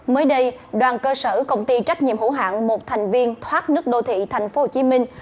mới đây đoàn cơ sở công ty trách nhiệm hữu hạng một thành viên thoát nước đô thị thành phố hồ chí minh